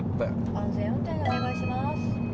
安全運転でお願いします。